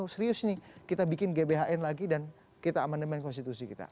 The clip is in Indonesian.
serius nih kita bikin gbhn lagi dan kita amandemen konstitusi kita